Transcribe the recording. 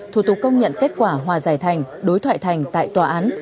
thủ tục công nhận kết quả hòa giải thành đối thoại thành tại tòa án